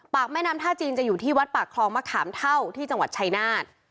แม่น้ำท่าจีนจะอยู่ที่วัดปากคลองมะขามเท่าที่จังหวัดชายนาฏ